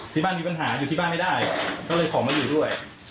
ที่บ้านมีปัญหาอยู่ที่บ้านไม่ได้ก็เลยขอมาอยู่ด้วย